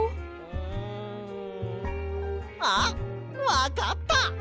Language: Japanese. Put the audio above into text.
んあっわかった！